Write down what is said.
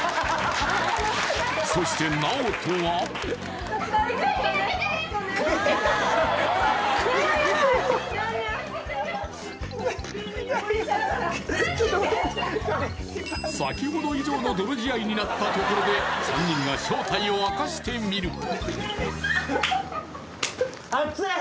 そしてさきほど以上の泥仕合になったところで３人が正体を明かしてみる暑い！